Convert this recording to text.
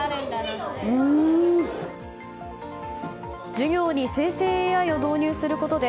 授業に生成ＡＩを導入することで